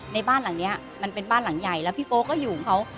ในบ้านหลังนี้มันเป็นบ้านหลังใหญ่แล้วพี่โป๊ก็อยู่ของเขา